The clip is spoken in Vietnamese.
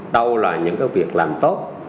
đâu là những việc làm tốt